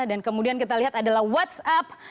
dan kemudian kita lihat adalah whatsapp